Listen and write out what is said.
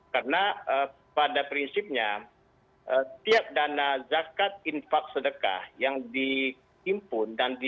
karena pada prinsipnya tiap dana zakat infak sedekah yang diimpun dan di